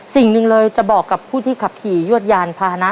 สิ่งหนึ่งเลยจะบอกกับผู้ที่ขับขี่ยวดยานพานะ